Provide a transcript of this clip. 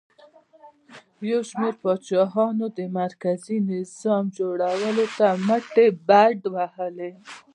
یو شمېر پاچاهانو د مرکزي نظام جوړولو ته مټې بډ وهلې